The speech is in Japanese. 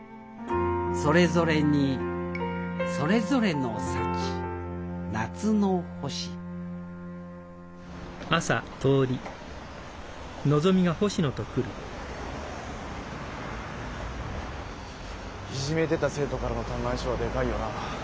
「それぞれにそれぞれの幸夏の星」いじめてた生徒からの嘆願書はでかいよな。